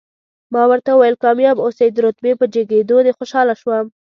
ما ورته وویل، کامیاب اوسئ، د رتبې په جګېدو دې خوشاله شوم.